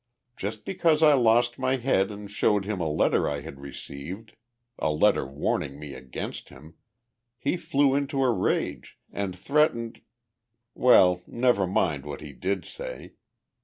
Just because I lost my head and showed him a letter I had received a letter warning me against him he flew into a rage and threatened.... Well, never mind what he did say.